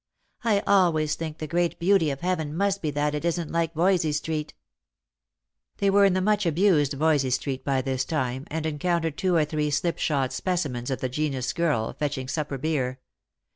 I always think the great beauty of heaven must be that it isn't like Voysey street." They were in the much abused Voysey street by this time, and encountered two or three slipshod specimens of the genus girl, fetching supper beer.